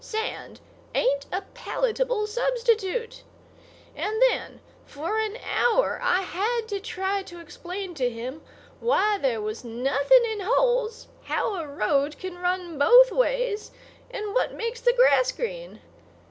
Sand ain't a palatable substitute. And then, for an hour I had to try to explain to him why there was nothin' in holes, how a road can run both ways and what makes the grass green.